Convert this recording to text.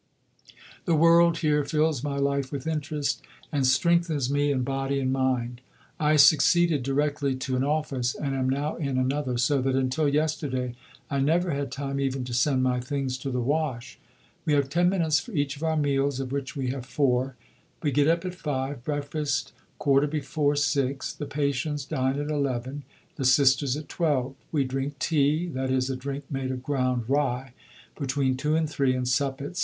The world here fills my life with interest, and strengthens me in body and mind. I succeeded directly to an office, and am now in another, so that until yesterday I never had time even to send my things to the wash. We have ten minutes for each of our meals, of which we have four. We get up at 5; breakfast 1/4 before 6. The patients dine at 11; the Sisters at 12. We drink tea (i.e. a drink made of ground rye) between 2 and 3, and sup at 7.